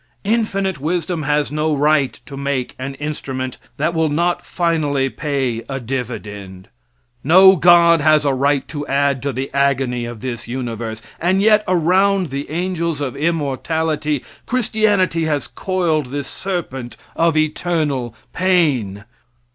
Infinite Wisdom has no right to make an instrument that will not finally pay a dividend. No God has a right to add to the agony of this universe, and yet around the angels of immortality Christianity has coiled this serpent of eternal pain.